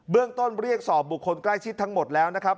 เรื่องต้นเรียกสอบบุคคลใกล้ชิดทั้งหมดแล้วนะครับ